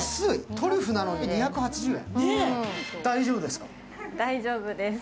トリュフなのに２８０円。